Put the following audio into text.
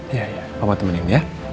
iya iya papa temenin ya